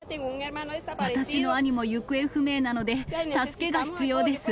私の兄も行方不明なので、助けが必要です。